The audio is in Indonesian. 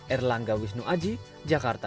erlangga wisnu aji jakarta